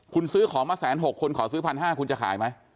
คุณซื้อของมาแสนหกคนขอซื้อพันห้าคุณจะขายไหม